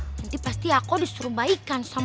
nanti pasti aku disuruh baikan sama moms